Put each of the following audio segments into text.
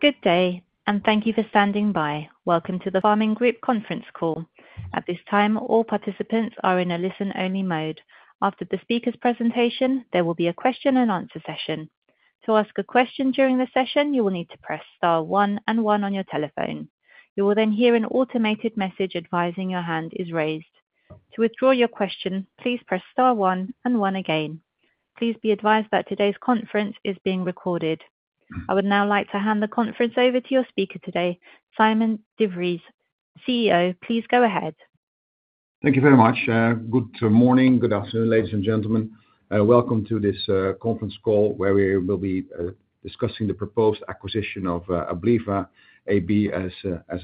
Good day, and thank you for standing by. Welcome to the Pharming Group conference call. At this time, all participants are in a listen-only mode. After the speaker's presentation, there will be a question-and-answer session. To ask a question during the session, you will need to press star one and one on your telephone. You will then hear an automated message advising your hand is raised. To withdraw your question, please press star one and one again. Please be advised that today's conference is being recorded. I would now like to hand the conference over to your speaker today, Sijmen de Vries, CEO. Please go ahead. Thank you very much. Good morning, good afternoon, ladies and gentlemen. Welcome to this conference call where we will be discussing the proposed acquisition of Abliva AB, as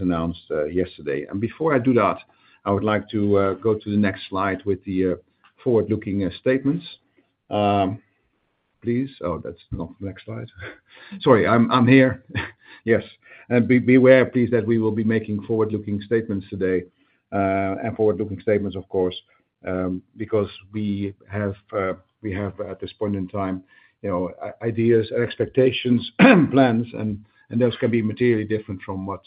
announced yesterday. And before I do that, I would like to go to the next slide with the forward-looking statements. Please. Oh, that's not the next slide. Sorry, I'm here. Yes. And beware, please, that we will be making forward-looking statements today. And forward-looking statements, of course, because we have at this point in time ideas and expectations and plans, and those can be materially different from what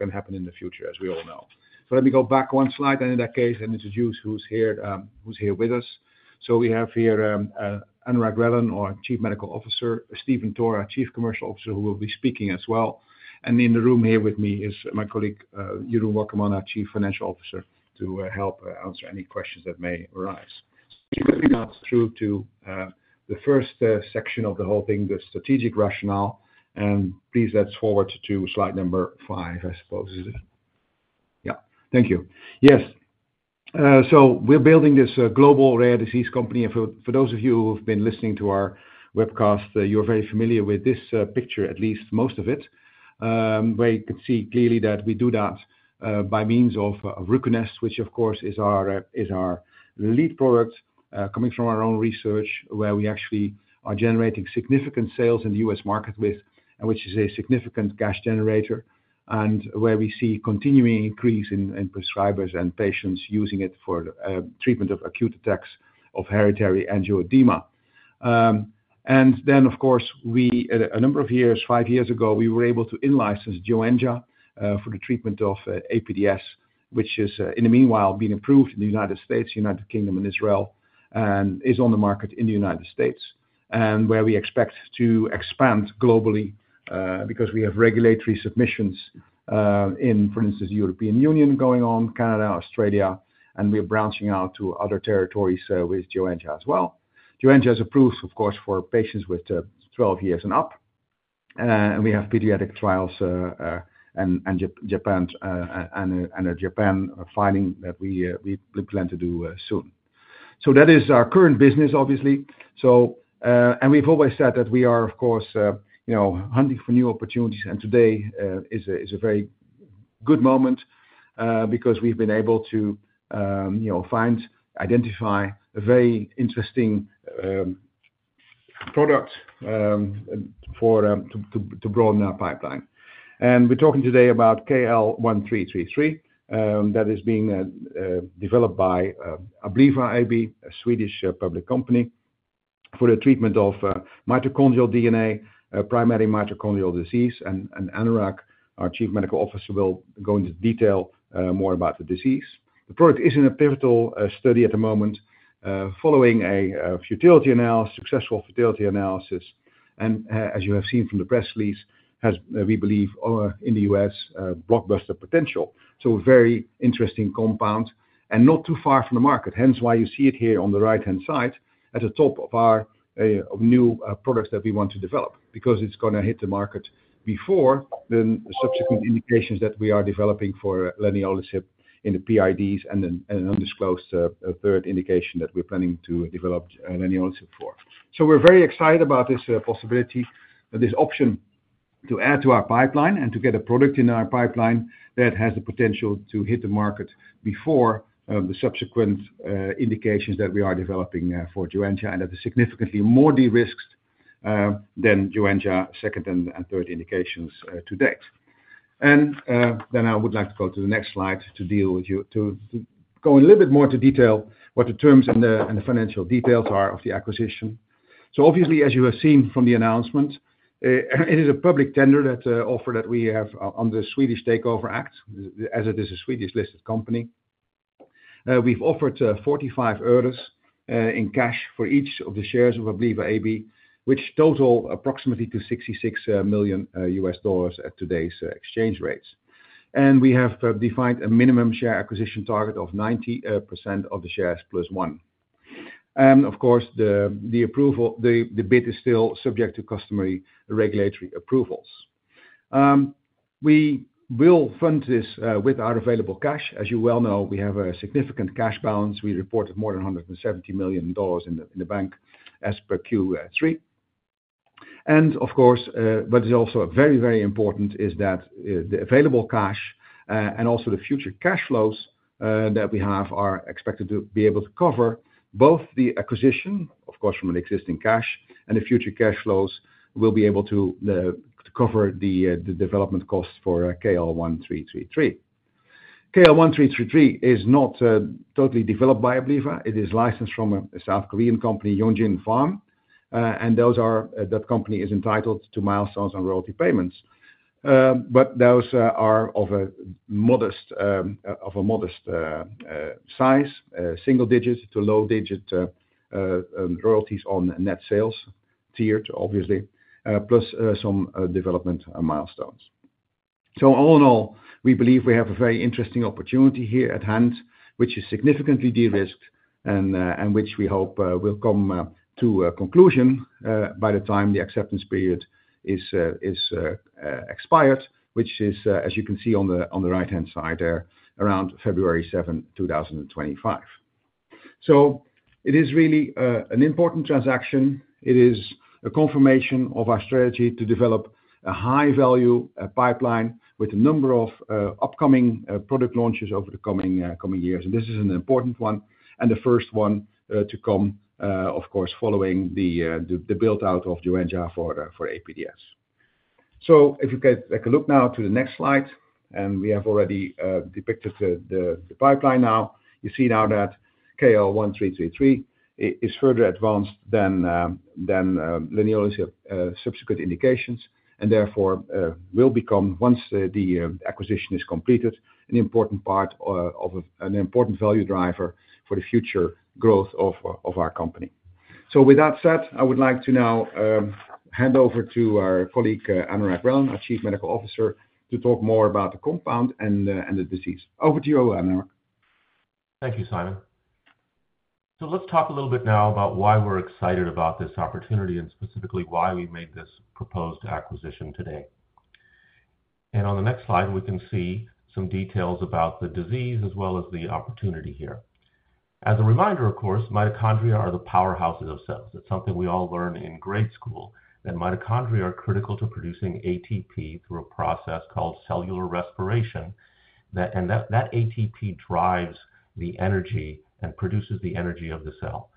can happen in the future, as we all know. So let me go back one slide, and in that case, introduce who's here with us. So we have here Anurag Relan, our Chief Medical Officer; Stephen Toor, our Chief Commercial Officer, who will be speaking as well. In the room here with me is my colleague, Jeroen Wakkerman, our Chief Financial Officer, to help answer any questions that may arise. Let me now switch to the first section of the whole thing, the strategic rationale. Please let's forward to slide number five, I suppose. Yeah. Thank you. Yes. We're building this global rare disease company. For those of you who've been listening to our webcast, you're very familiar with this picture, at least most of it, where you can see clearly that we do that by means of RUCONEST, which, of course, is our lead product coming from our own research, where we actually are generating significant sales in the U.S. market with which is a significant cash generator, and where we see continuing increase in prescribers and patients using it for treatment of acute attacks of hereditary angioedema. And then, of course, a number of years, five years ago, we were able to in-license Joenja for the treatment of APDS, which is, in the meanwhile, being approved in the United States, United Kingdom, and Israel, and is on the market in the United States, and where we expect to expand globally because we have regulatory submissions in, for instance, the European Union going on, Canada, Australia, and we're branching out to other territories with Joenja as well. Joenja is approved, of course, for patients with 12 years and up. And we have pediatric trials and a Japan filing that we plan to do soon. So that is our current business, obviously. And we've always said that we are, of course, hunting for new opportunities. And today is a very good moment because we've been able to find, identify a very interesting product to broaden our pipeline. We're talking today about KL1333 that is being developed by Abliva AB, a Swedish public company, for the treatment of mitochondrial DNA, primary mitochondrial disease. Anurag, our Chief Medical Officer, will go into detail more about the disease. The product is in a pivotal study at the moment, following a successful futility analysis. As you have seen from the press release, it has, we believe, in the U.S., blockbuster potential. It's a very interesting compound and not too far from the market. Hence why you see it here on the right-hand side at the top of our new products that we want to develop because it's going to hit the market before the subsequent indications that we are developing for leniolisib in the PIDs and an undisclosed third indication that we're planning to develop leniolisib for. So we're very excited about this possibility and this option to add to our pipeline and to get a product in our pipeline that has the potential to hit the market before the subsequent indications that we are developing for Joenja, and that is significantly more de-risked than Joenja, second and third indications to date, and then I would like to go to the next slide to go a little bit more into detail what the terms and the financial details are of the acquisition, so obviously, as you have seen from the announcement, it is a public tender offer that we have under the Swedish Takeover Act, as it is a Swedish-listed company. We've offered 45 öre in cash for each of the shares of Abliva AB, which total approximately $66 million at today's exchange rates. We have defined a minimum share acquisition target of 90% of the shares plus one. Of course, the bid is still subject to customary regulatory approvals. We will fund this with our available cash. As you well know, we have a significant cash balance. We reported more than $170 million in the bank as per Q3. Of course, what is also very, very important is that the available cash and also the future cash flows that we have are expected to be able to cover both the acquisition, of course, from an existing cash, and the future cash flows will be able to cover the development costs for KL1333. KL1333 is not totally developed by Abliva. It is licensed from a South Korean company, Yungjin Pharm. That company is entitled to milestones and royalty payments. But those are of a modest size, single-digit to low-digit royalties on net sales tiered, obviously, plus some development milestones. So all in all, we believe we have a very interesting opportunity here at hand, which is significantly de-risked and which we hope will come to a conclusion by the time the acceptance period is expired, which is, as you can see on the right-hand side there, around February 7, 2025. So it is really an important transaction. It is a confirmation of our strategy to develop a high-value pipeline with a number of upcoming product launches over the coming years. And this is an important one, and the first one to come, of course, following the build-out of Joenja for APDS. So if you take a look now to the next slide, and we have already depicted the pipeline now, you see now that KL1333 is further advanced than leniolisib subsequent indications, and therefore will become, once the acquisition is completed, an important value driver for the future growth of our company. So with that said, I would like to now hand over to our colleague, Anurag Relan, our Chief Medical Officer, to talk more about the compound and the disease. Over to you, Anurag. Thank you, Sijmen. So let's talk a little bit now about why we're excited about this opportunity and specifically why we made this proposed acquisition today. And on the next slide, we can see some details about the disease as well as the opportunity here. As a reminder, of course, mitochondria are the powerhouses of cells. It's something we all learn in grade school that mitochondria are critical to producing ATP through a process called cellular respiration. And that ATP drives the energy and produces the energy of the cell.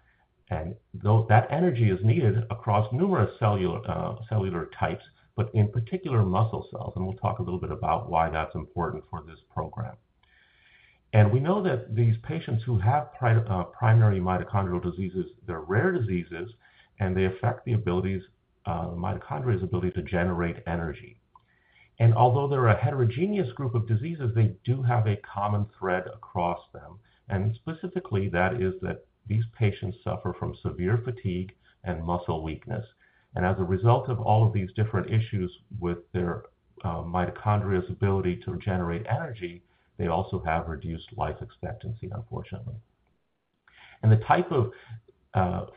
And that energy is needed across numerous cellular types, but in particular, muscle cells. And we'll talk a little bit about why that's important for this program. And we know that these patients who have primary mitochondrial diseases, they're rare diseases, and they affect the mitochondria's ability to generate energy. Although they're a heterogeneous group of diseases, they do have a common thread across them. Specifically, that is that these patients suffer from severe fatigue and muscle weakness. As a result of all of these different issues with their mitochondria's ability to generate energy, they also have reduced life expectancy, unfortunately. The type of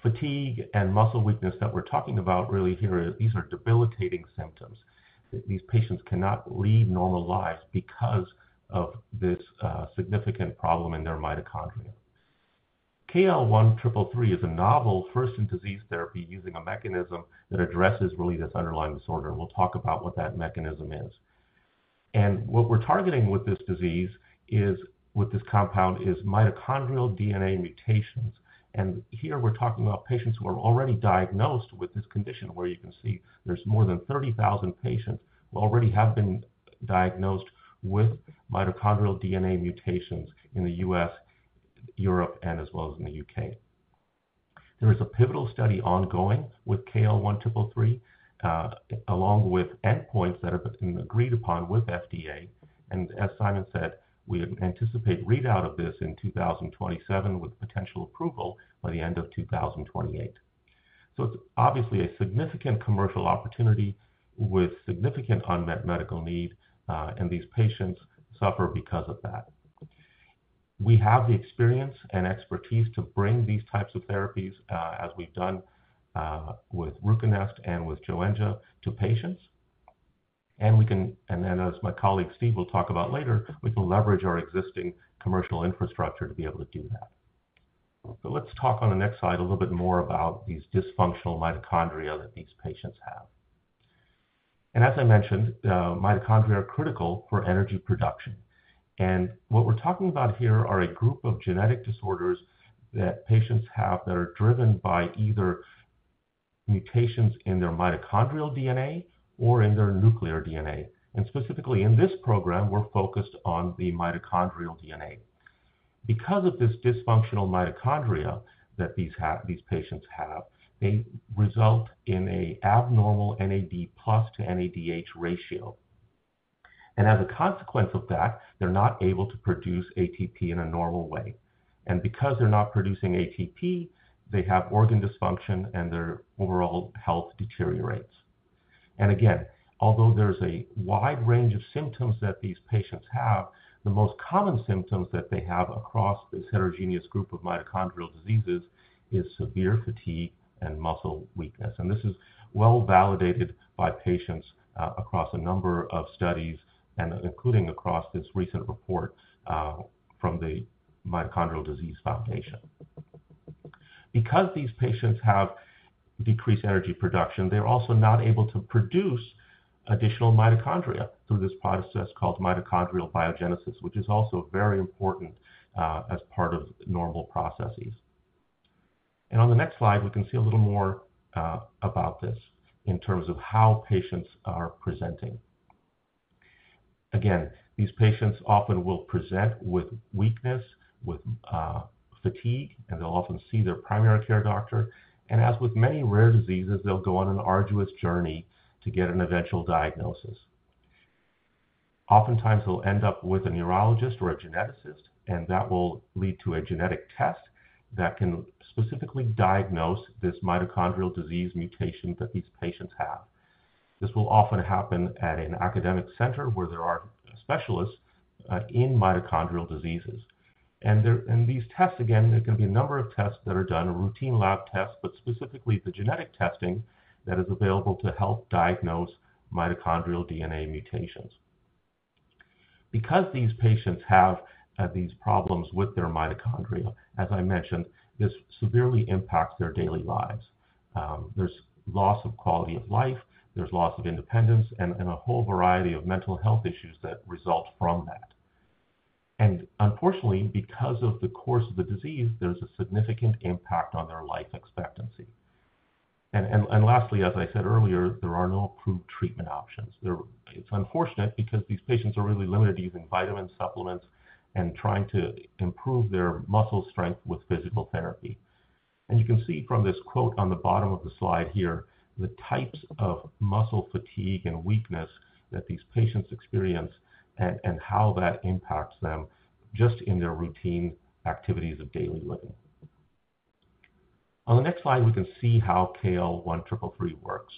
fatigue and muscle weakness that we're talking about really here, these are debilitating symptoms. These patients cannot lead normal lives because of this significant problem in their mitochondria. KL1333 is a novel first-in-disease therapy using a mechanism that addresses really this underlying disorder. We'll talk about what that mechanism is. What we're targeting with this disease is, with this compound, is mitochondrial DNA mutations. And here we're talking about patients who are already diagnosed with this condition, where you can see there's more than 30,000 patients who already have been diagnosed with mitochondrial DNA mutations in the U.S., Europe, and as well as in the U.K. There is a pivotal study ongoing with KL1333, along with endpoints that have been agreed upon with FDA. And as Sijmen said, we anticipate readout of this in 2027 with potential approval by the end of 2028. So it's obviously a significant commercial opportunity with significant unmet medical need, and these patients suffer because of that. We have the experience and expertise to bring these types of therapies, as we've done with RUCONEST and with Joenja, to patients. And then, as my colleague Steve will talk about later, we can leverage our existing commercial infrastructure to be able to do that. So let's talk on the next slide a little bit more about these dysfunctional mitochondria that these patients have. And as I mentioned, mitochondria are critical for energy production. And what we're talking about here are a group of genetic disorders that patients have that are driven by either mutations in their mitochondrial DNA or in their nuclear DNA. And specifically, in this program, we're focused on the mitochondrial DNA. Because of this dysfunctional mitochondria that these patients have, they result in an abnormal NAD+ to NADH ratio. And as a consequence of that, they're not able to produce ATP in a normal way. And because they're not producing ATP, they have organ dysfunction, and their overall health deteriorates. And again, although there's a wide range of symptoms that these patients have, the most common symptoms that they have across this heterogeneous group of mitochondrial diseases is severe fatigue and muscle weakness. And this is well validated by patients across a number of studies, including across this recent report from the United Mitochondrial Disease Foundation. Because these patients have decreased energy production, they're also not able to produce additional mitochondria through this process called mitochondrial biogenesis, which is also very important as part of normal processes. And on the next slide, we can see a little more about this in terms of how patients are presenting. Again, these patients often will present with weakness, with fatigue, and they'll often see their primary care doctor. And as with many rare diseases, they'll go on an arduous journey to get an eventual diagnosis. Oftentimes, they'll end up with a neurologist or a geneticist, and that will lead to a genetic test that can specifically diagnose this mitochondrial disease mutation that these patients have. This will often happen at an academic center where there are specialists in mitochondrial diseases. And these tests, again, there can be a number of tests that are done, routine lab tests, but specifically the genetic testing that is available to help diagnose mitochondrial DNA mutations. Because these patients have these problems with their mitochondria, as I mentioned, this severely impacts their daily lives. There's loss of quality of life, there's loss of independence, and a whole variety of mental health issues that result from that. And unfortunately, because of the course of the disease, there's a significant impact on their life expectancy. And lastly, as I said earlier, there are no approved treatment options. It's unfortunate because these patients are really limited to using vitamin supplements and trying to improve their muscle strength with physical therapy. You can see from this quote on the bottom of the slide here, the types of muscle fatigue and weakness that these patients experience and how that impacts them just in their routine activities of daily living. On the next slide, we can see how KL1333 works,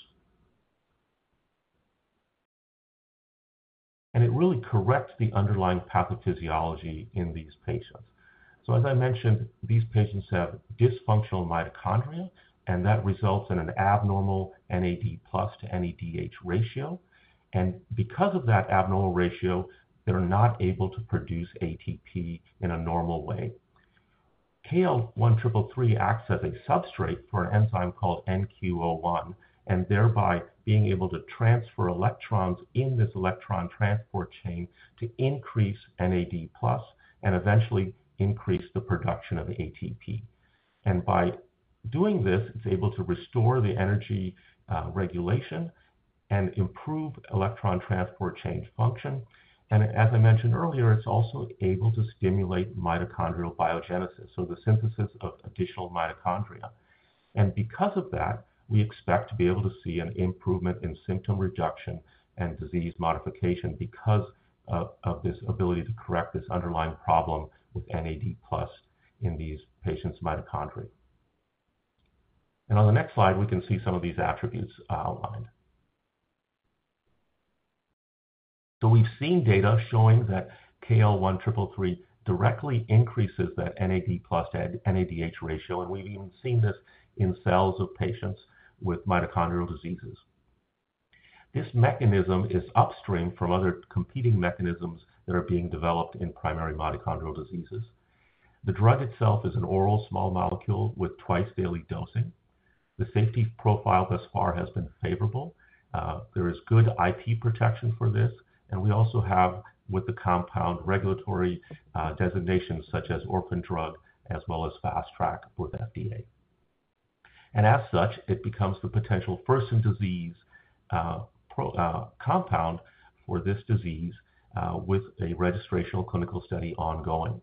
and it really corrects the underlying pathophysiology in these patients, so as I mentioned, these patients have dysfunctional mitochondria, and that results in an abnormal NAD+/NADH ratio, and because of that abnormal ratio, they're not able to produce ATP in a normal way. KL1333 acts as a substrate for an enzyme called NQO1, and thereby being able to transfer electrons in this electron transport chain to increase NAD+ and eventually increase the production of ATP. By doing this, it's able to restore the energy regulation and improve electron transport chain function. As I mentioned earlier, it's also able to stimulate mitochondrial biogenesis, so the synthesis of additional mitochondria. Because of that, we expect to be able to see an improvement in symptom reduction and disease modification because of this ability to correct this underlying problem with NAD+ in these patients' mitochondria. On the next slide, we can see some of these attributes outlined. We've seen data showing that KL1333 directly increases that NAD+ to NADH ratio, and we've even seen this in cells of patients with mitochondrial diseases. This mechanism is upstream from other competing mechanisms that are being developed in primary mitochondrial diseases. The drug itself is an oral small molecule with twice-daily dosing. The safety profile thus far has been favorable. There is good IP protection for this, and we also have, with the compound, regulatory designations such as Orphan Drug, as well as Fast Track with FDA. And as such, it becomes the potential first-in-disease compound for this disease with a registrational clinical study ongoing.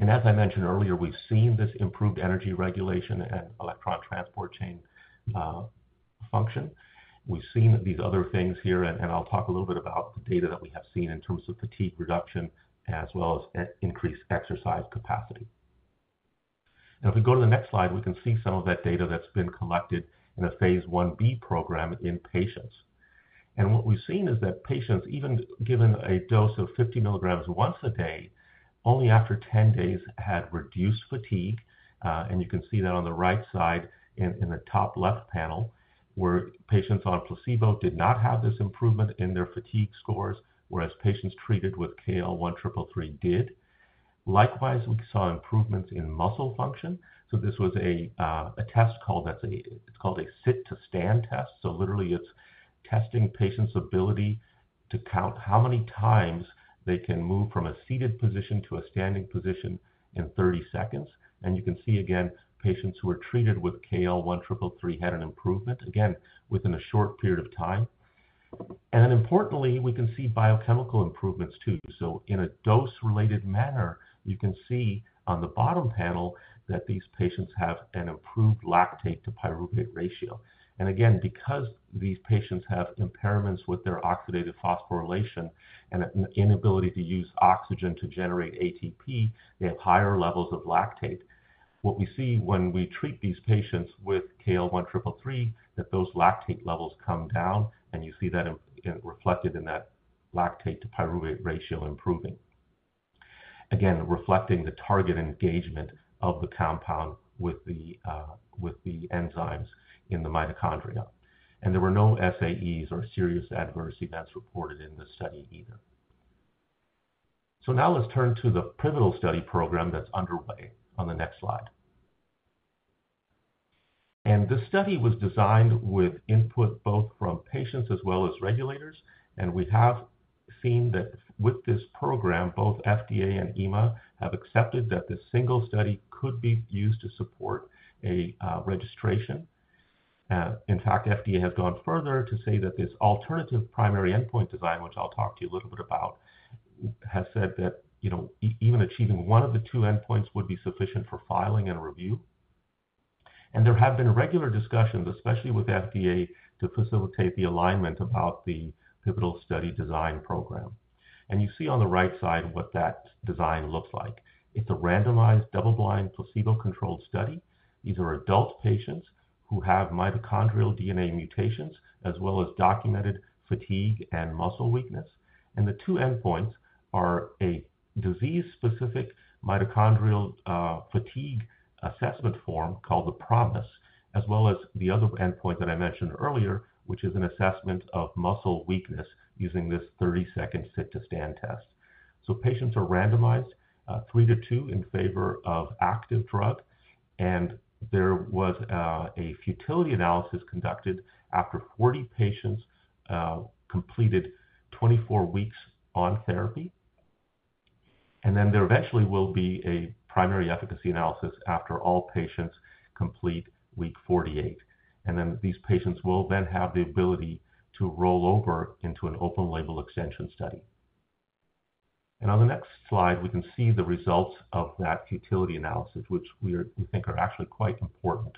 And as I mentioned earlier, we've seen this improved energy regulation and electron transport chain function. We've seen these other things here, and I'll talk a little bit about the data that we have seen in terms of fatigue reduction as well as increased exercise capacity. And if we go to the next slide, we can see some of that data that's been collected in a phase I-b program in patients. And what we've seen is that patients, even given a dose of 50 milligrams once a day, only after 10 days had reduced fatigue. You can see that on the right side in the top left panel, where patients on placebo did not have this improvement in their fatigue scores, whereas patients treated with KL1333 did. Likewise, we saw improvements in muscle function. This was a test called a sit-to-stand test. Literally, it's testing patients' ability to count how many times they can move from a seated position to a standing position in 30 seconds. You can see, again, patients who were treated with KL1333 had an improvement, again, within a short period of time. Importantly, we can see biochemical improvements too. In a dose-related manner, you can see on the bottom panel that these patients have an improved lactate-to-pyruvate ratio. Again, because these patients have impairments with their oxidative phosphorylation and an inability to use oxygen to generate ATP, they have higher levels of lactate. What we see when we treat these patients with KL1333, that those lactate levels come down, and you see that reflected in that lactate-to-pyruvate ratio improving. Again, reflecting the target engagement of the compound with the enzymes in the mitochondria. And there were no SAEs or serious adverse events reported in this study either. So now let's turn to the pivotal study program that's underway on the next slide. And this study was designed with input both from patients as well as regulators. And we have seen that with this program, both FDA and EMA have accepted that this single study could be used to support a registration. In fact, FDA has gone further to say that this alternative primary endpoint design, which I'll talk to you a little bit about, has said that even achieving one of the two endpoints would be sufficient for filing and review. There have been regular discussions, especially with FDA, to facilitate the alignment about the pivotal study design program. You see on the right side what that design looks like. It's a randomized, double-blind, placebo-controlled study. These are adult patients who have mitochondrial DNA mutations as well as documented fatigue and muscle weakness. The two endpoints are a disease-specific mitochondrial fatigue assessment form called the PROMIS, as well as the other endpoint that I mentioned earlier, which is an assessment of muscle weakness using this 30-second sit-to-stand test. Patients are randomized three to two in favor of active drug. There was a futility analysis conducted after 40 patients completed 24 weeks on therapy. There eventually will be a primary efficacy analysis after all patients complete week 48. These patients will then have the ability to roll over into an open-label extension study. And on the next slide, we can see the results of that futility analysis, which we think are actually quite important.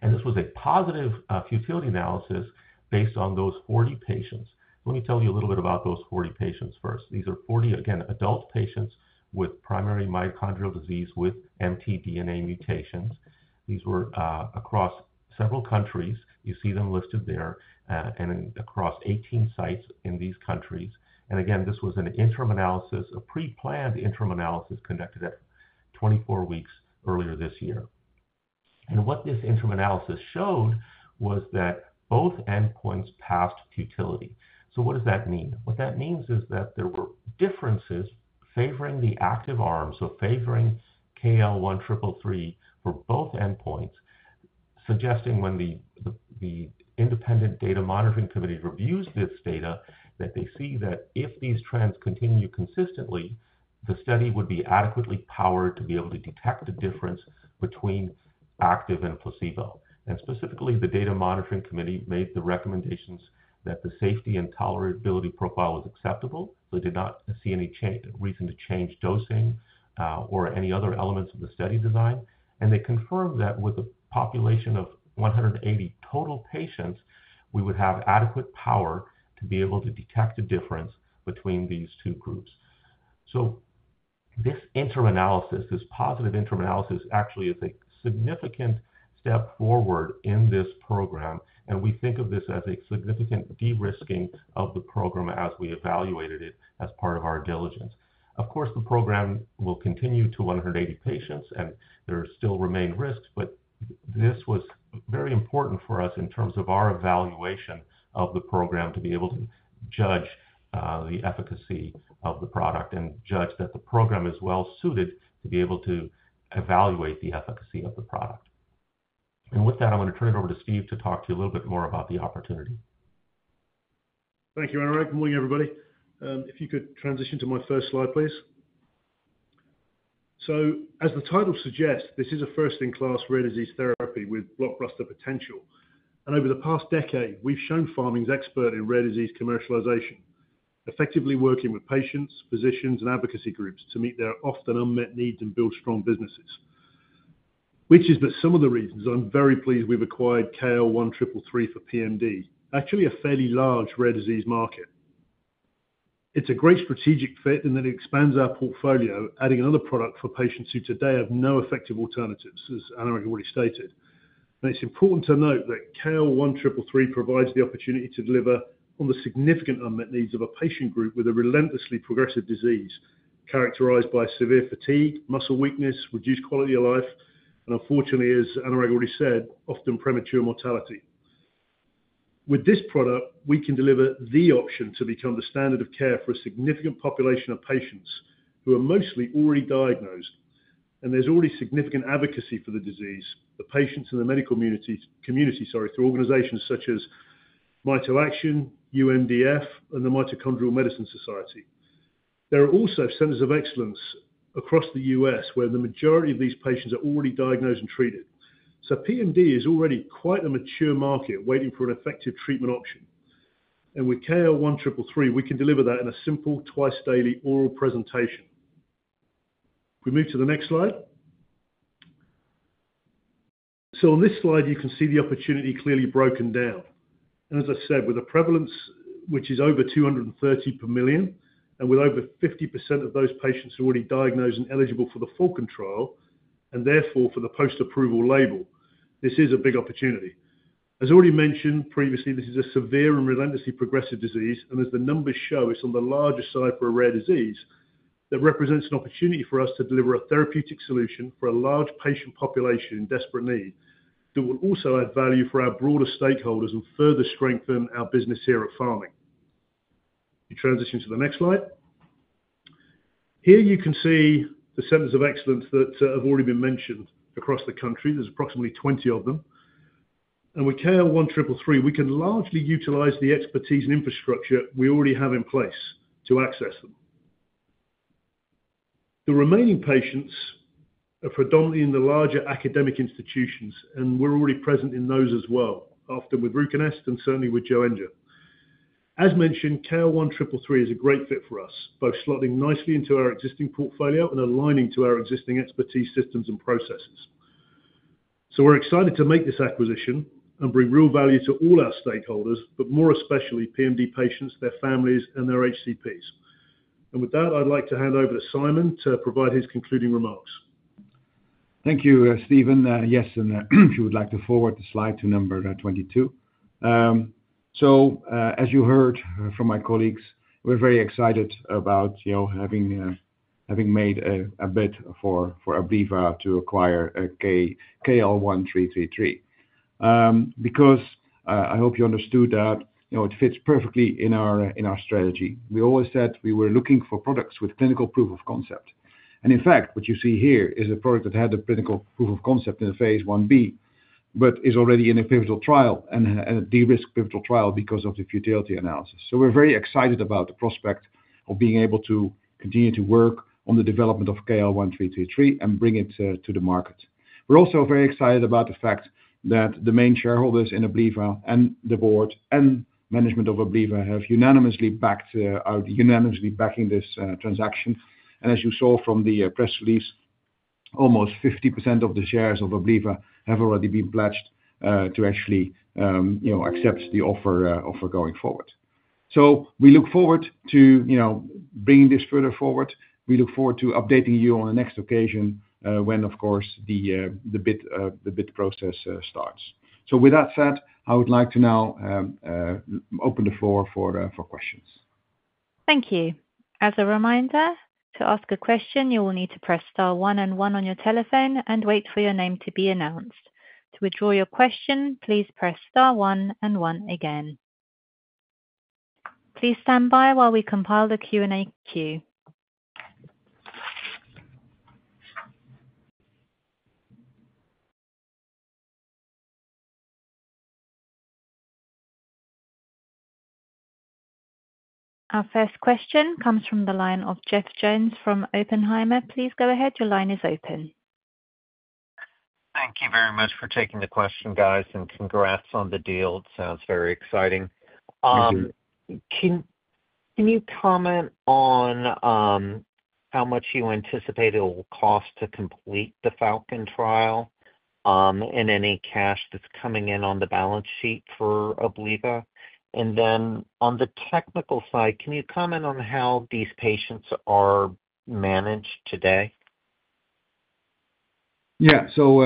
And this was a positive futility analysis based on those 40 patients. Let me tell you a little bit about those 40 patients first. These are 40, again, adult patients with primary mitochondrial disease with mtDNA mutations. These were across several countries. You see them listed there and across 18 sites in these countries. And again, this was an interim analysis, a pre-planned interim analysis conducted at 24 weeks earlier this year. And what this interim analysis showed was that both endpoints passed futility. So what does that mean? What that means is that there were differences favoring the active arm, so favoring KL1333 for both endpoints, suggesting when the Independent Data Monitoring Committee reviews this data that they see that if these trends continue consistently, the study would be adequately powered to be able to detect a difference between active and placebo, and specifically, the Data Monitoring Committee made the recommendations that the safety and tolerability profile was acceptable. They did not see any reason to change dosing or any other elements of the study design, and they confirmed that with a population of 180 total patients, we would have adequate power to be able to detect a difference between these two groups, so this interim analysis, this positive interim analysis, actually is a significant step forward in this program. We think of this as a significant de-risking of the program as we evaluated it as part of our diligence. Of course, the program will continue to 180 patients, and there still remain risks, but this was very important for us in terms of our evaluation of the program to be able to judge the efficacy of the product and judge that the program is well-suited to be able to evaluate the efficacy of the product. With that, I'm going to turn it over to Steve to talk to you a little bit more about the opportunity. Thank you, Anurag. Good morning, everybody. If you could transition to my first slide, please. So as the title suggests, this is a first-in-class rare disease therapy with blockbuster potential. And over the past decade, we've shown Pharming's expert in rare disease commercialization, effectively working with patients, physicians, and advocacy groups to meet their often unmet needs and build strong businesses. Which is but some of the reasons I'm very pleased we've acquired KL1333 for PMD, actually a fairly large rare disease market. It's a great strategic fit in that it expands our portfolio, adding another product for patients who today have no effective alternatives, as Anurag already stated. It's important to note that KL1333 provides the opportunity to deliver on the significant unmet needs of a patient group with a relentlessly progressive disease characterized by severe fatigue, muscle weakness, reduced quality of life, and unfortunately, as Anurag already said, often premature mortality. With this product, we can deliver the option to become the standard of care for a significant population of patients who are mostly already diagnosed, and there's already significant advocacy for the disease, the patients and the medical community, sorry, through organizations such as MitoAction, UMDF, and the Mitochondrial Medicine Society. There are also centers of excellence across the U.S. where the majority of these patients are already diagnosed and treated. So PMD is already quite a mature market waiting for an effective treatment option. And with KL1333, we can deliver that in a simple twice-daily oral presentation. If we move to the next slide. So on this slide, you can see the opportunity clearly broken down. And as I said, with a prevalence which is over 230 per million and with over 50% of those patients who are already diagnosed and eligible for the FALCON trial and therefore for the post-approval label, this is a big opportunity. As already mentioned previously, this is a severe and relentlessly progressive disease, and as the numbers show, it's on the largest side for a rare disease that represents an opportunity for us to deliver a therapeutic solution for a large patient population in desperate need that will also add value for our broader stakeholders and further strengthen our business here at Pharming. You transition to the next slide. Here you can see the centers of excellence that have already been mentioned across the country. There's approximately 20 of them. And with KL1333, we can largely utilize the expertise and infrastructure we already have in place to access them. The remaining patients are predominantly in the larger academic institutions, and we're already present in those as well, often with RUCONEST and certainly with Joenja. As mentioned, KL1333 is a great fit for us, both slotting nicely into our existing portfolio and aligning to our existing expertise systems and processes. So we're excited to make this acquisition and bring real value to all our stakeholders, but more especially PMD patients, their families, and their HCPs. And with that, I'd like to hand over to Sijmen to provide his concluding remarks. Thank you, Stephen. Yes, and if you would like to forward the slide to number 22, so as you heard from my colleagues, we're very excited about having made a bet for Abliva to acquire KL1333. Because I hope you understood that it fits perfectly in our strategy. We always said we were looking for products with clinical proof of concept, and in fact, what you see here is a product that had a clinical proof of concept in the phase I-b, but is already in a pivotal trial and a de-risk pivotal trial because of the futility analysis, so we're very excited about the prospect of being able to continue to work on the development of KL1333 and bring it to the market. We're also very excited about the fact that the main shareholders in Abliva and the board and management of Abliva have unanimously backed this transaction. And as you saw from the press release, almost 50% of the shares of Abliva have already been pledged to actually accept the offer going forward. So we look forward to bringing this further forward. We look forward to updating you on the next occasion when, of course, the bid process starts. So with that said, I would like to now open the floor for questions. Thank you. As a reminder, to ask a question, you will need to press star one and one on your telephone and wait for your name to be announced. To withdraw your question, please press star one and one again. Please stand by while we compile the Q&A queue. Our first question comes from the line of Jeff Jones from Oppenheimer. Please go ahead. Your line is open. Thank you very much for taking the question, guys, and congrats on the deal. It sounds very exciting. Can you comment on how much you anticipate it will cost to complete the FALCON trial and any cash that's coming in on the balance sheet for Abliva? And then on the technical side, can you comment on how these patients are managed today? Yeah. So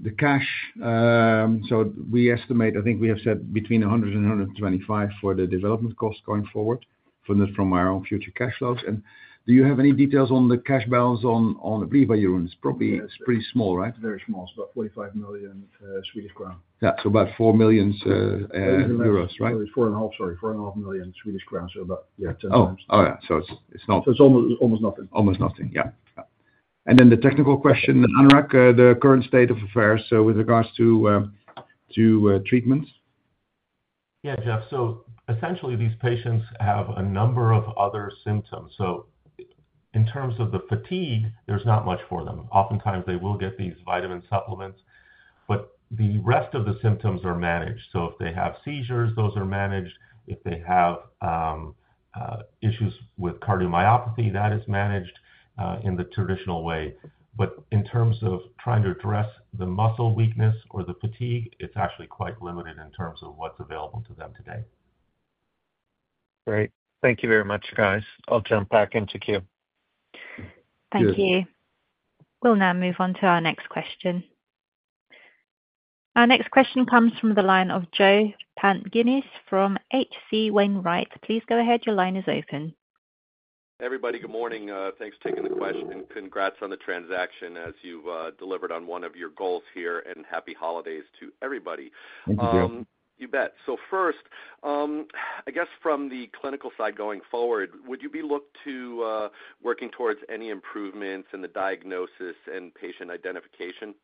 the cash, so we estimate. I think we have said between 100 and 125 for the development costs going forward from our own future cash flows. And do you have any details on the cash balance on Abliva? It's probably pretty small, right? Very small. It's about 45 million Swedish crown. Yeah. So about 4 million euros, right? 4.5, sorry, 4.5 million Swedish krona, so about, yeah, 10 times. Oh, yeah. So it's not. So it's almost nothing. Almost nothing. Yeah. And then the technical question, Anurag, the current state of affairs with regards to treatment? Yeah, Jeff. So essentially, these patients have a number of other symptoms. So in terms of the fatigue, there's not much for them. Oftentimes, they will get these vitamin supplements, but the rest of the symptoms are managed. So if they have seizures, those are managed. If they have issues with cardiomyopathy, that is managed in the traditional way. But in terms of trying to address the muscle weakness or the fatigue, it's actually quite limited in terms of what's available to them today. Great. Thank you very much, guys. I'll jump back into queue. Thank you. We'll now move on to our next question. Our next question comes from the line of Joe Pantginis from H.C. Wainwright. Please go ahead. Your line is open. Everybody, good morning. Thanks for taking the question. Congrats on the transaction as you've delivered on one of your goals here, and happy holidays to everybody. Thank you. You bet. So first, I guess from the clinical side going forward, would you be looking to working towards any improvements in the diagnosis and patient identification?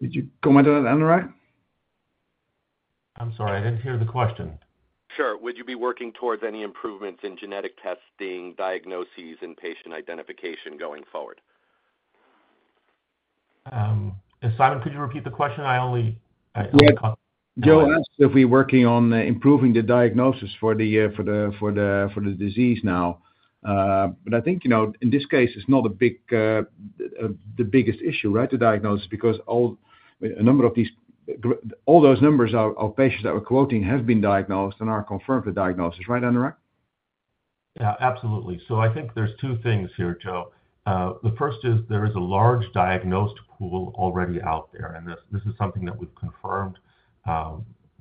Did you comment on that, Anurag? I'm sorry. I didn't hear the question. Sure. Would you be working towards any improvements in genetic testing, diagnoses, and patient identification going forward? Sijmen, could you repeat the question? I only. Yeah. Joe asked if we're working on improving the diagnosis for the disease now. But I think in this case, it's not the biggest issue, right, the diagnosis, because a number of these all those numbers of patients that we're quoting have been diagnosed and are confirmed for diagnosis, right, Anurag? Yeah, absolutely, so I think there's two things here, Joe. The first is there is a large diagnosed pool already out there, and this is something that we've confirmed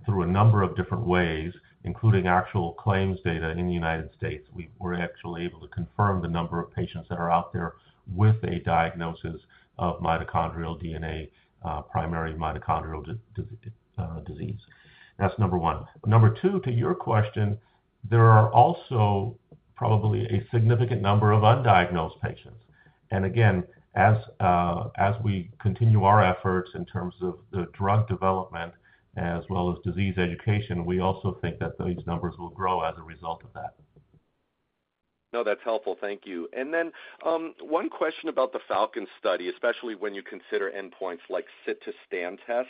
through a number of different ways, including actual claims data in the United States. We were actually able to confirm the number of patients that are out there with a diagnosis of mitochondrial DNA primary mitochondrial disease. That's number one. Number two, to your question, there are also probably a significant number of undiagnosed patients, and again, as we continue our efforts in terms of the drug development as well as disease education, we also think that those numbers will grow as a result of that. No, that's helpful. Thank you. And then one question about the FALCON study, especially when you consider endpoints like sit-to-stand test.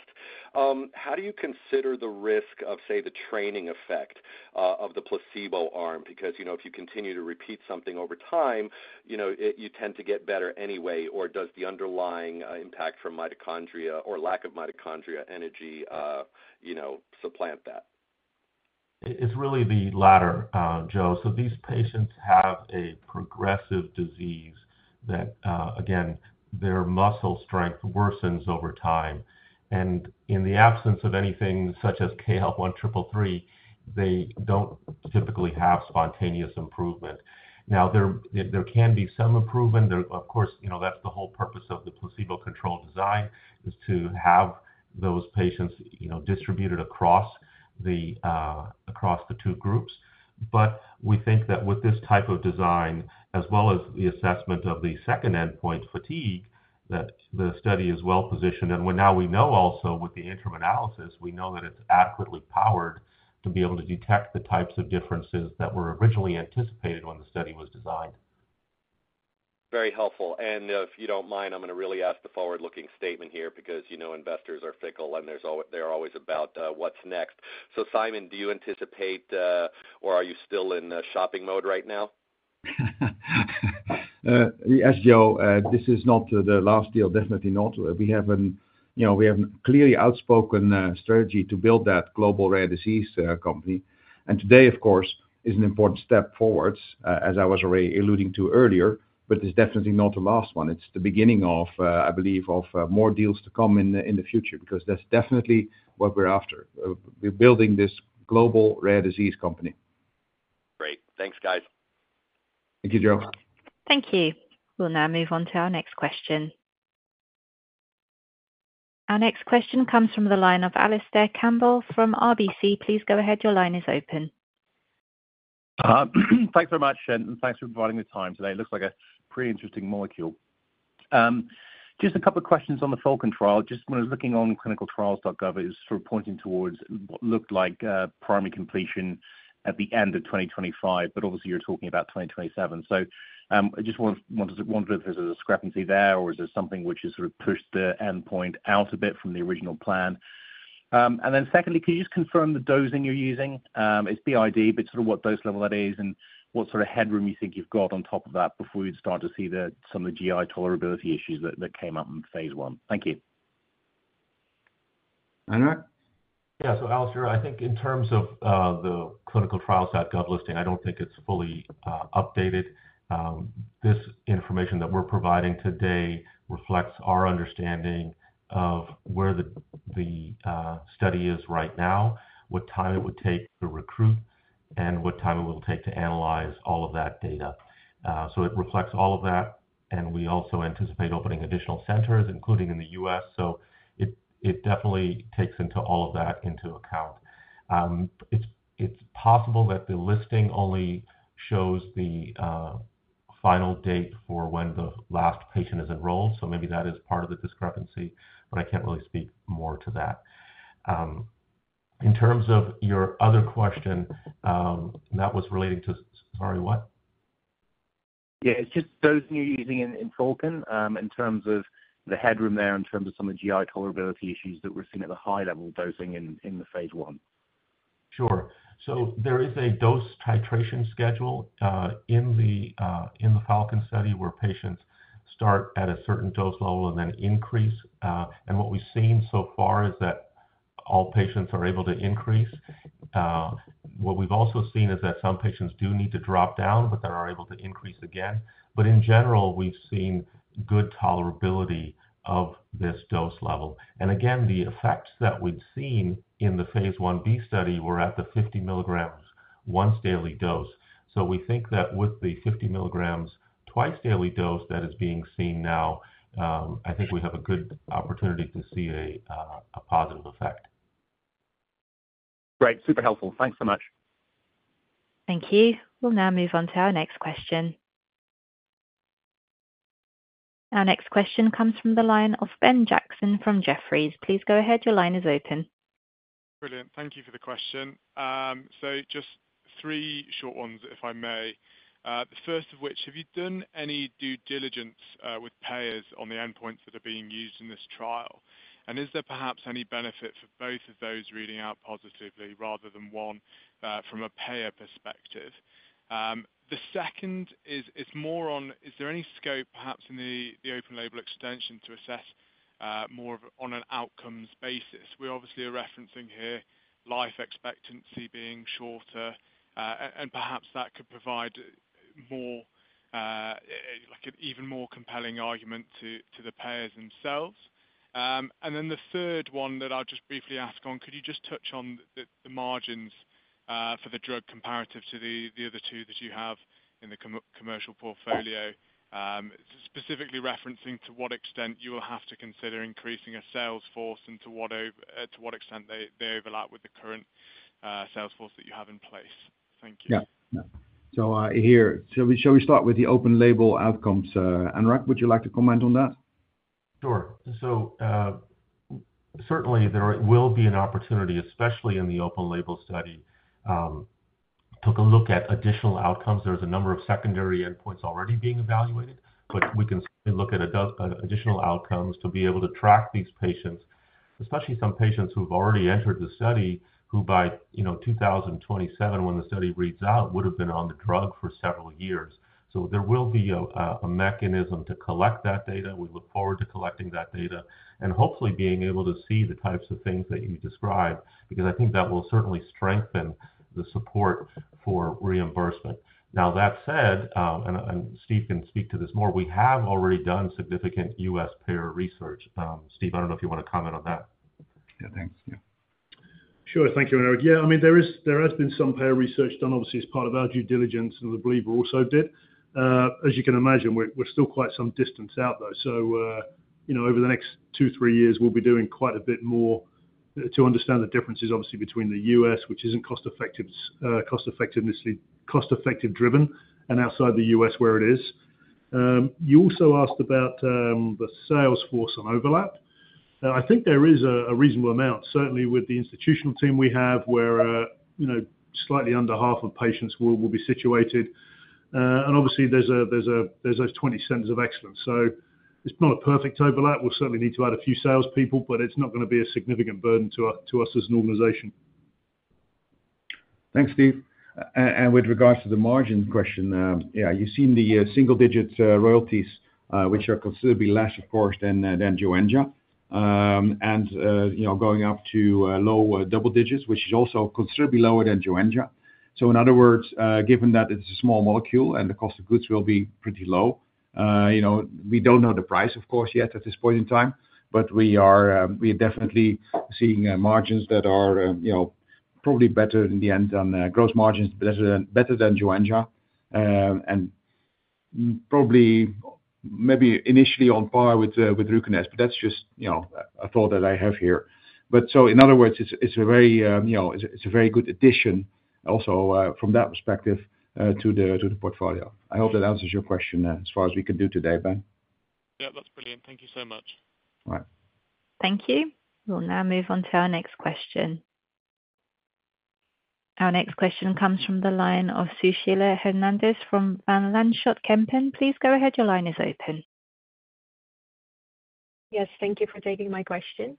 How do you consider the risk of, say, the training effect of the placebo arm? Because if you continue to repeat something over time, you tend to get better anyway, or does the underlying impact from mitochondria or lack of mitochondria energy supplant that? It's really the latter, Joe. So these patients have a progressive disease that, again, their muscle strength worsens over time. And in the absence of anything such as KL1333, they don't typically have spontaneous improvement. Now, there can be some improvement. Of course, that's the whole purpose of the placebo-controlled design, is to have those patients distributed across the two groups. But we think that with this type of design, as well as the assessment of the second endpoint, fatigue, that the study is well-positioned. And now we know also with the interim analysis, we know that it's adequately powered to be able to detect the types of differences that were originally anticipated when the study was designed. Very helpful. And if you don't mind, I'm going to really ask the forward-looking statement here because investors are fickle and they're always about what's next. So Simon, do you anticipate, or are you still in shopping mode right now? Yes, Joe. This is not the last deal, definitely not. We have a clearly outspoken strategy to build that global rare disease company. And today, of course, is an important step forwards, as I was already alluding to earlier, but it's definitely not the last one. It's the beginning of, I believe, more deals to come in the future because that's definitely what we're after. We're building this global rare disease company. Great. Thanks, guys. Thank you, Joe. Thank you. We'll now move on to our next question. Our next question comes from the line of Alastair Campbell from RBC. Please go ahead. Your line is open. Thanks very much, and thanks for providing the time today. It looks like a pretty interesting molecule. Just a couple of questions on the FALCON trial. Just when I was looking on ClinicalTrials.gov, it was sort of pointing towards what looked like primary completion at the end of 2025, but obviously, you're talking about 2027. So I just wondered if there's a discrepancy there or is there something which has sort of pushed the endpoint out a bit from the original plan. And then secondly, can you just confirm the dosing you're using? It's BID, but sort of what dose level that is and what sort of headroom you think you've got on top of that before we start to see some of the GI tolerability issues that came up in phase I. Thank you. Anurag? Yeah. So Alastair, I think in terms of the clinicaltrials.gov listing, I don't think it's fully updated. This information that we're providing today reflects our understanding of where the study is right now, what time it would take to recruit, and what time it will take to analyze all of that data. So it reflects all of that, and we also anticipate opening additional centers, including in the U.S. So it definitely takes all of that into account. It's possible that the listing only shows the final date for when the last patient is enrolled. So maybe that is part of the discrepancy, but I can't really speak more to that. In terms of your other question, that was relating to, sorry, what? Yeah. It's just dosing you're using in FALCON in terms of the headroom there in terms of some of the GI tolerability issues that we're seeing at the high-level dosing in the phase I. Sure. So there is a dose titration schedule in the FALCON study where patients start at a certain dose level and then increase, and what we've seen so far is that all patients are able to increase. What we've also seen is that some patients do need to drop down, but they are able to increase again. But in general, we've seen good tolerability of this dose level, and again, the effects that we've seen in the phase I-b study were at the 50 milligrams once-daily dose. So we think that with the 50 milligrams twice-daily dose that is being seen now, I think we have a good opportunity to see a positive effect. Great. Super helpful. Thanks so much. Thank you. We'll now move on to our next question. Our next question comes from the line of Ben Jackson from Jefferies. Please go ahead. Your line is open. Brilliant. Thank you for the question. So just three short ones, if I may. The first of which, have you done any due diligence with payers on the endpoints that are being used in this trial? And is there perhaps any benefit for both of those reading out positively rather than one from a payer perspective? The second is more on, is there any scope perhaps in the open label extension to assess more on an outcomes basis? We're obviously referencing here life expectancy being shorter, and perhaps that could provide an even more compelling argument to the payers themselves. And then the third one that I'll just briefly ask on, could you just touch on the margins for the drug compared to the other two that you have in the commercial portfolio, specifically referring to what extent you will have to consider increasing a sales force and to what extent they overlap with the current sales force that you have in place? Thank you. Yeah. Yeah. So here, shall we start with the open label outcomes? Anurag, would you like to comment on that? Sure. So certainly, there will be an opportunity, especially in the open label study. Took a look at additional outcomes. There's a number of secondary endpoints already being evaluated, but we can certainly look at additional outcomes to be able to track these patients, especially some patients who've already entered the study who by 2027, when the study reads out, would have been on the drug for several years. So there will be a mechanism to collect that data. We look forward to collecting that data and hopefully being able to see the types of things that you describe because I think that will certainly strengthen the support for reimbursement. Now, that said, and Steve can speak to this more, we have already done significant U.S. payer research. Steve, I don't know if you want to comment on that. Yeah. Thanks. Yeah. Sure. Thank you, Anurag. Yeah. I mean, there has been some payer research done, obviously, as part of our due diligence, and I believe we also did. As you can imagine, we're still quite some distance out, though. So over the next two, three years, we'll be doing quite a bit more to understand the differences, obviously, between the U.S., which isn't cost-effective driven, and outside the U.S., where it is. You also asked about the sales force on overlap. I think there is a reasonable amount, certainly with the institutional team we have, where slightly under half of patients will be situated. And obviously, there's those 20 centers of excellence. So it's not a perfect overlap. We'll certainly need to add a few salespeople, but it's not going to be a significant burden to us as an organization. Thanks, Steve. And with regards to the margin question, yeah, you've seen the single-digit royalties, which are considerably less, of course, than Joenja, and going up to low double digits, which is also considerably lower than Joenja. So in other words, given that it's a small molecule and the cost of goods will be pretty low, we don't know the price, of course, yet at this point in time, but we are definitely seeing margins that are probably better in the end than gross margins, better than Joenja, and probably maybe initially on par with RUCONEST. But that's just a thought that I have here. But so in other words, it's a very good addition also from that perspective to the portfolio. I hope that answers your question as far as we can do today, Ben. Yeah. That's brilliant. Thank you so much. All right. Thank you. We'll now move on to our next question. Our next question comes from the line of Sushila Hernandez from Van Lanschot Kempen. Please go ahead. Your line is open. Yes. Thank you for taking my question.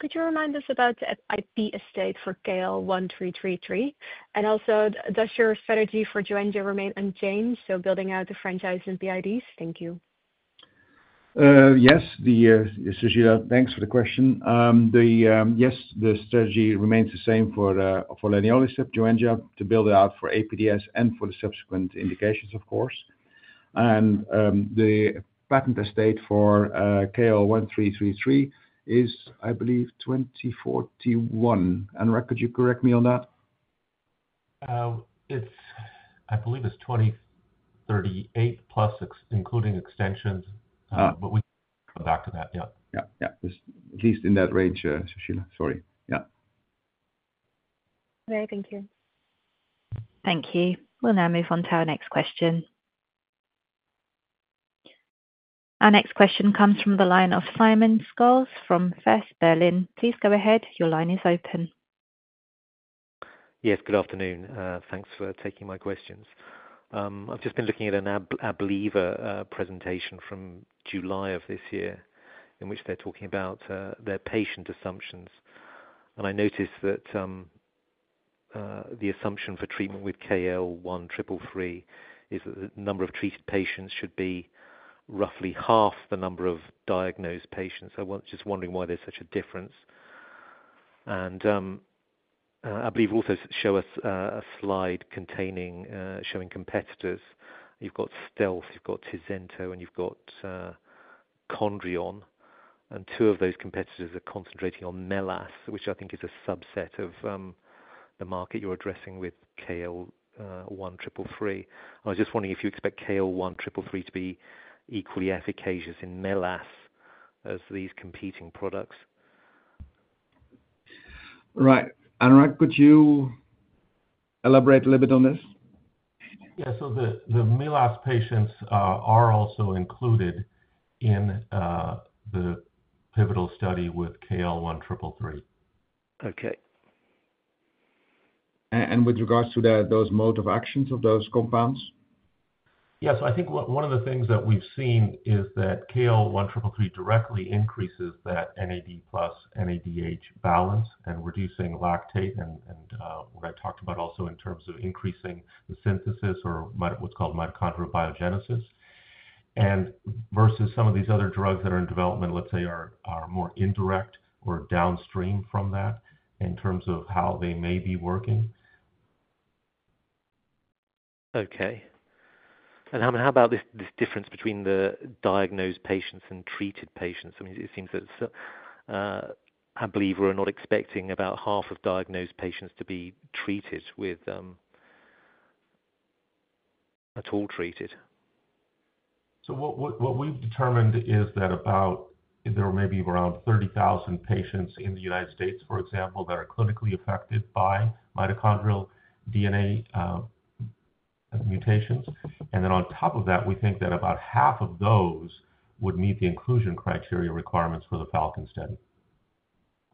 Could you remind us about IP estate for KL1333? And also, does your strategy for Joenja remain unchanged? So building out the franchise and BIDs? Thank you. Yes. Sushila, thanks for the question. Yes, the strategy remains the same for leniolisib Joenja to build it out for APDS and for the subsequent indications, of course, and the patent estate for KL1333 is, I believe, 2041. Anurag, could you correct me on that? I believe it's 2038 plus including extensions, but we can come back to that. Yeah. Yeah. Yeah. At least in that range, Sushila. Sorry. Yeah. All right. Thank you. Thank you. We'll now move on to our next question. Our next question comes from the line of Simon Scholes from First Berlin Equity Research. Please go ahead. Your line is open. Yes. Good afternoon. Thanks for taking my questions. I've just been looking at an Abliva presentation from July of this year in which they're talking about their patient assumptions. And I noticed that the assumption for treatment with KL1333 is that the number of treated patients should be roughly half the number of diagnosed patients. So I'm just wondering why there's such a difference. And Abliva also show us a slide showing competitors. You've got Stealth, you've got Tisento, and you've got Khondrion. And two of those competitors are concentrating on MELAS, which I think is a subset of the market you're addressing with KL1333. I was just wondering if you expect KL1333 to be equally efficacious in MELAS as these competing products. Right. Anurag, could you elaborate a little bit on this? Yeah, so the MELAS patients are also included in the pivotal study with KL1333. Okay. And with regards to those mode of actions of those compounds? Yeah. So I think one of the things that we've seen is that KL1333 directly increases that NAD+, NADH balance and reducing lactate and what I talked about also in terms of increasing the synthesis or what's called mitochondrial biogenesis versus some of these other drugs that are in development, let's say, are more indirect or downstream from that in terms of how they may be working. Okay. And how about this difference between the diagnosed patients and treated patients? I mean, it seems that Abliva are not expecting about half of diagnosed patients to be treated at all. So what we've determined is that there are maybe around 30,000 patients in the United States, for example, that are clinically affected by mitochondrial DNA mutations. And then on top of that, we think that about half of those would meet the inclusion criteria requirements for the FALCON study.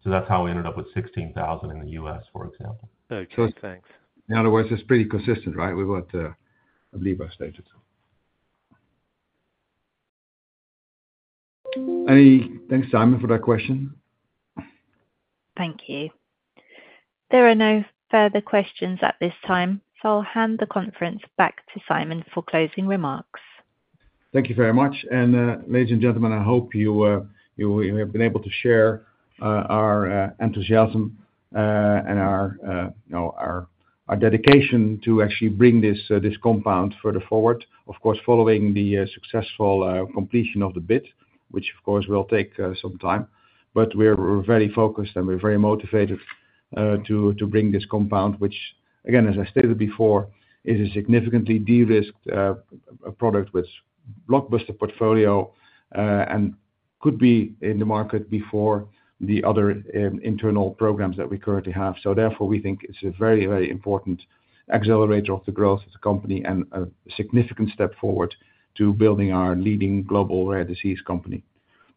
So that's how we ended up with 16,000 in the U.S., for example. Okay. Thanks. Otherwise, it's pretty consistent, right? I believe I stated. Thanks, Simon, for that question. Thank you. There are no further questions at this time. So I'll hand the conference back to Sijmen for closing remarks. Thank you very much, and ladies and gentlemen, I hope you have been able to share our enthusiasm and our dedication to actually bring this compound further forward, of course, following the successful completion of the bid, which, of course, will take some time. But we're very focused and we're very motivated to bring this compound, which, again, as I stated before, is a significantly de-risked product with blockbuster potential and could be in the market before the other internal programs that we currently have. Therefore, we think it's a very, very important accelerator of the growth of the company and a significant step forward to building our leading global rare disease company.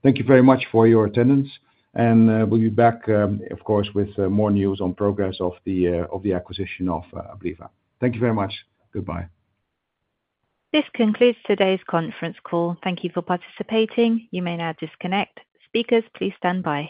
Thank you very much for your attendance, and we'll be back, of course, with more news on progress of the acquisition of Abliva. Thank you very much. Goodbye. This concludes today's conference call. Thank you for participating. You may now disconnect. Speakers, please stand by.